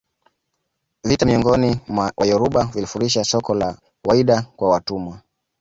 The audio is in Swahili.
vita miongoni mwa Wayoruba vilifurisha soko la Whydah kwa watumwa